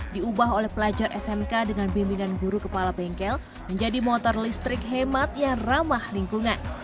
diubah oleh pelajar smk dengan bimbingan guru kepala bengkel menjadi motor listrik hemat yang ramah lingkungan